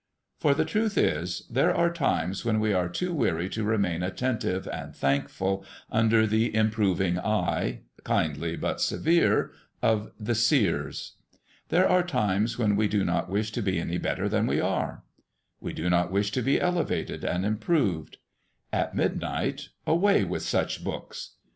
For the truth is, there are times when we are too weary to remain attentive and thankful under the improving eye, kindly but severe, of the seers. There are times when we do not wish to be any better than we are. We do not wish to be elevated and improved. At midnight, away with such books!